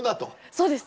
そうです。